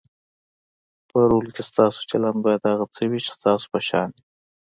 په رول کې ستاسو چلند باید هغه څه وي چې ستاسو په شان وي.